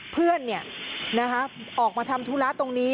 เพื่อนออกมาทำธุระตรงนี้